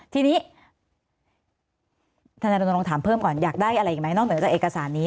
ทีนี้ทนายรณรงค์ถามเพิ่มก่อนอยากได้อะไรอีกไหมนอกเหนือจากเอกสารนี้